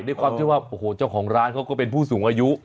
ด้วยความที่ว่าโอ้โหเจ้าของร้านเขาก็เป็นผู้สูงอายุ